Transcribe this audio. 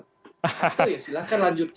itu ya silahkan lanjutkan